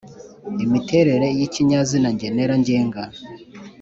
imiterere y’ikinyazina ngenera ngenga